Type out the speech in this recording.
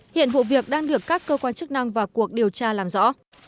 hiện vụ việc đang được các cơ quan chức năng vào cuộc điều tra làm rõ